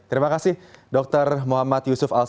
terima kasih dr muhammad yusuf alfian